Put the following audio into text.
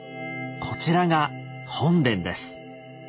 こちらが本殿です。